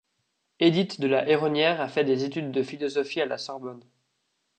Édith de La Héronnière a fait des études de philosophie à la Sorbonne.